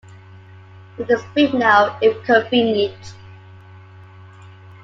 We can speak now, if convenient.